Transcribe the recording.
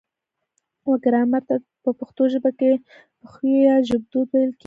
و ګرامر ته په پښتو ژبه کې پښويه يا ژبدود ويل کيږي